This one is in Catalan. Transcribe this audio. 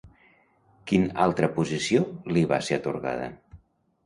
Quin altra posició li va ser atorgada?